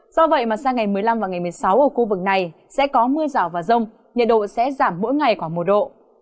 do vậy mà sang ngày một mươi năm và ngày một mươi sáu ở khu vực này sẽ có mưa rào và rông nhiệt độ sẽ giảm mỗi ngày khoảng một độ